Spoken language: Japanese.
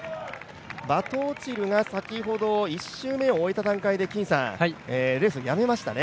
バトオチルが先ほど１周目を終えた段階でレースをやめましたね。